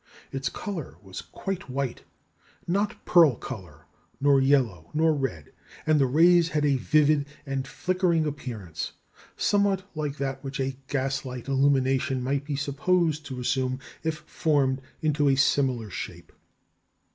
Its colour was quite white, not pearl colour, nor yellow, nor red, and the rays had a vivid and flickering appearance, somewhat like that which a gaslight illumination might be supposed to assume if formed into a similar shape....